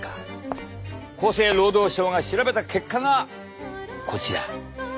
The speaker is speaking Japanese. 厚生労働省が調べた結果がこちら。